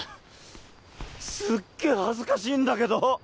すっげぇ恥ずかしいんだけど！